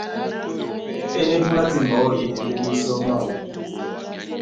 E nípúlá timba ó eyídí ndé mísɔ máō.